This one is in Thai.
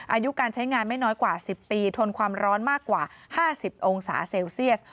อายุการใช้งานไม่น้อยกว่า๑๐ปีทนความร้อนมากกว่า๕๐องศาเซลเซียส